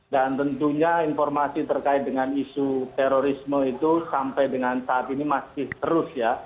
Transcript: dan tentunya informasi terkait dengan isu terorisme itu sampai dengan saat ini masih terus ya